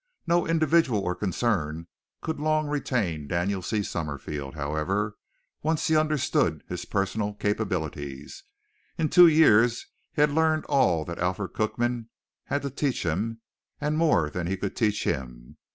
No individual or concern could long retain Daniel C. Summerfield, however, once he understood his personal capabilities. In two years he had learned all that Alfred Cookman had to teach him and more than he could teach him.